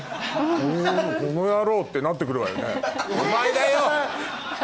この野郎ってなって来るわよね？